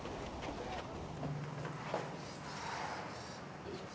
よいしょ。